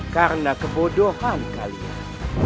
karena kebodohan kalian